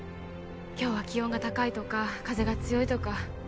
今日は気温が高いとか風が強いとか